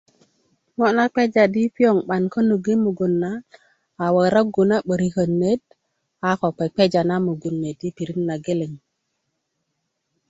ŋo na kpeja di piöŋ 'ban konuk mugun na a warogu na 'böriköt net a ko kpekpeja na mugun net i pirit ma geleŋ